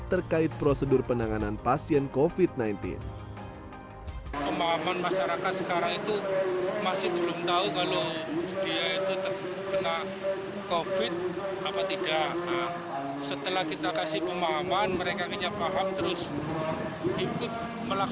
terkait prosedur penyelidikan dan penyelidikan perubahan yang terjadi di rumah sakit paru surabaya pada empat juni lalu